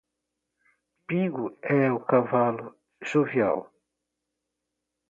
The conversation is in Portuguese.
Pingo é o cavalo jovial